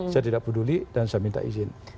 saya tidak peduli dan saya minta izin